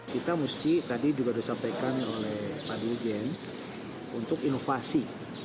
kita mesti tadi juga disampaikan oleh pak dirjen untuk inovasi